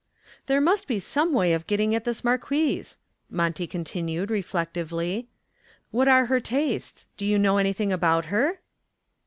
"There must be some way of getting at this marquise," Monty continued reflectively. "What are her tastes? Do you know anything about her?"